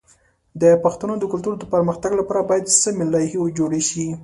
د پښتو د کلتور د پرمختګ لپاره باید سمی لایحې جوړ شي.